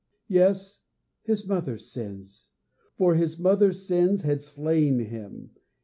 Yes, his mother's sins; for his mother's sins had slain him.